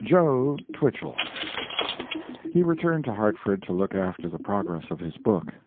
"JOE" TWICHELL. He returned to Hartford to look after the progress of his book.